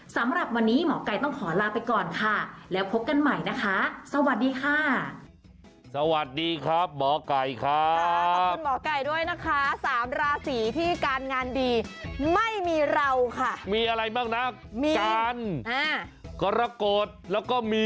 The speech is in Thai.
สำหรับวันนี้หมอไก่ต้องขอลาไปก่อนค่ะแล้วพบกันใหม่นะคะสวัสดีค่ะ